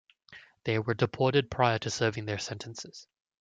They were deported prior to serving their sentences.